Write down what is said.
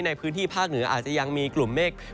ในพื้นที่ภาคเหนืออาจจะยังมีกลุ่มเมฆ